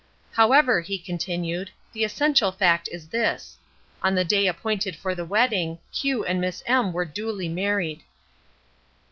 "However," he continued, "the essential fact is this: on the day appointed for the wedding, Q and Miss M were duly married."